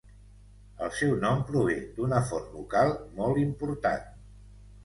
El seu nom prové d'una font local molt important.